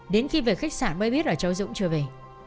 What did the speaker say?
đến khi về khách sạn mới biết là cháu dũng chưa về